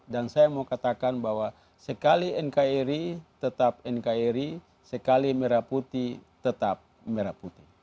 dan saya mau katakan bahwa sekali nkri tetap nkri sekali merah putih tetap merah putih